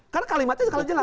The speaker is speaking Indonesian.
karena kalimatnya jelas